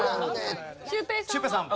シュウペイさんは。